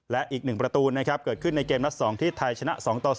และอีก๑ประตูเกิดขึ้นในเกมละ๒ที่ไทยชนะ๒๐